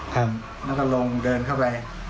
ครับแล้วก็ลงเดินเข้าไป